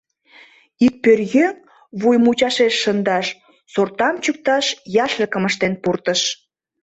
Ик пӧръеҥ вуй мучашеш шындаш, сортам чӱкташ яшлыкым ыштен пуртыш.